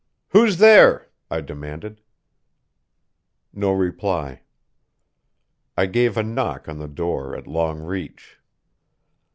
"Who's there?" I demanded. No reply. I gave a knock on the door at long reach.